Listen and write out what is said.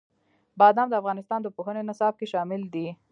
بادام د افغانستان د پوهنې نصاب کې شامل دي.